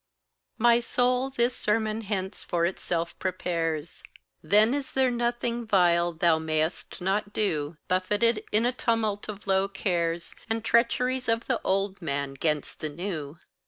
My soul this sermon hence for itself prepares: "Then is there nothing vile thou mayst not do, Buffeted in a tumult of low cares, And treacheries of the old man 'gainst the new."